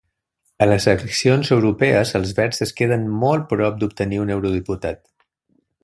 A les eleccions europees Els Verds es queden molt prop d'obtenir un eurodiputat.